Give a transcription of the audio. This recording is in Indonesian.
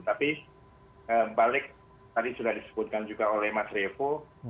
tapi balik tadi sudah disebutkan juga oleh mas revo